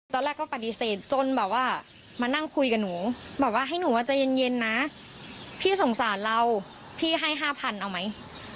ตอนแรกก็ปฏิเสธจนแบบว่ามานั่งคุยกับหนูบอกว่าให้หนูว่าใจเย็นนะพี่สงสารเราพี่ให้๕๐๐เอาไหม